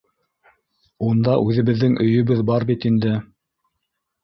Унда үҙебеҙҙең өйөбөҙ бар бит инде.